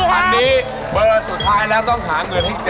อันนี้เบอร์สุดท้ายแล้วต้องหาเงินให้๗๐